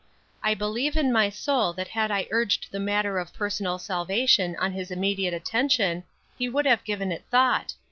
I believe in my soul that had I urged the matter of personal salvation on his immediate attention, he would have given it thought.